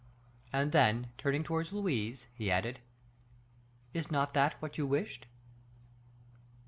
And then, turning towards Louise, he added, "Is not that what you wished?"